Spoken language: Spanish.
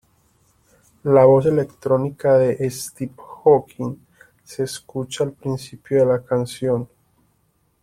La voz electrónica de Stephen Hawking se escucha al principio de la canción.